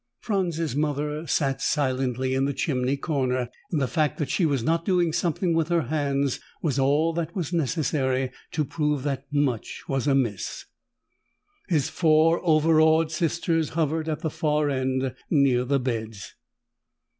Franz's mother sat silently in the chimney corner, and the fact that she was not doing something with her hands was all that was necessary to prove that much was amiss. His four overawed sisters hovered at the far end, near the beds.